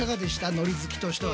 海苔好きとしては。